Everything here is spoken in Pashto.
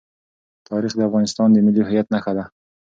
تاریخ د افغانستان د ملي هویت نښه ده.